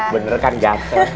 bener kan gatel